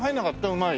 うまい。